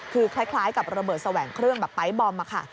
คือคล้ายกับระเบิดแสวงเครื่องแบบไปร์ทบอมอะค่ะ